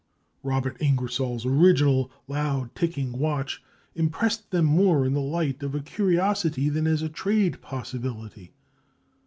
Robert Ingersoll's original loud ticking watch impressed them more in the light of a curiosity than as a trade possibility.